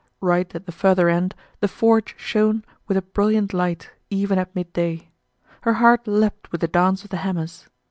Right at the further end the forge shone with a brilliant light, even at mid day. Her heart leapt with the dance of the hammers.